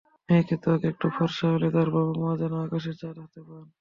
মেয়ের ত্বক একটু ফরসা হলে তার বাবা–মা যেন আকাশের চাঁদ হাতে পান।